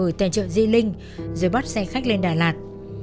họ gửi tên trợ dây linh rồi bắt xe khách lên đà lạt